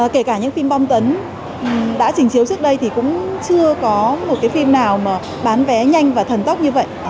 kể cả những phim bong tấn đã trình chiếu trước đây thì cũng chưa có một phim nào bán vé nhanh và thần tốc như vậy